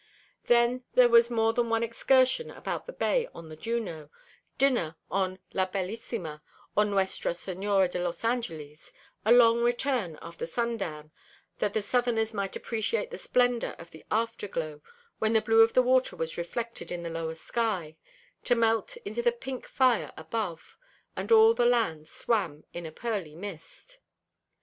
Then there was more than one excursion about the bay on the Juno, dinner on La Bellissima or Nuestra Senora de los Angeles, a long return after sundown that the southerners might appreciate the splendor of the afterglow when the blue of the water was reflected in the lower sky, to melt into the pink fire above, and all the land swam in a pearly mist.